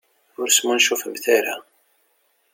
Ur smuncufemt ara.